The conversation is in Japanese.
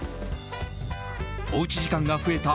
おうち時間が増えた